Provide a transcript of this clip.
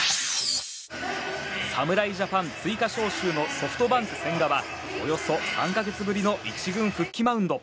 侍ジャパン追加招集のソフトバンク、千賀はおよそ３か月ぶりの１軍復帰マウンド。